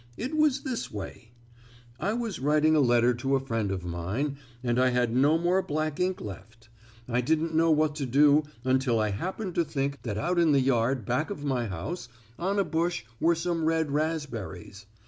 It was this way: I was writing a letter to a friend of mine and I had no more black ink left. I didn't know what to do until I happened to think that out in the yard back of my house on a bush were some red raspberries.